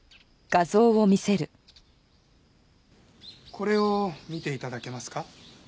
これを見て頂けますか？